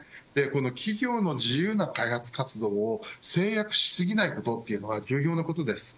企業の自由な開発活動を制約し過ぎないことというのは重要なことです。